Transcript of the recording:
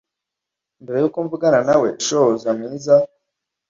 Mbere yuko mvugana na we shobuja mwiza